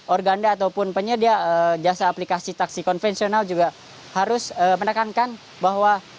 organda ataupun penyedia jasa aplikasi taksi konvensional juga harus menekankan bahwa